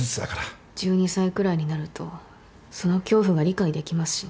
１２歳くらいになるとその恐怖が理解できますしね。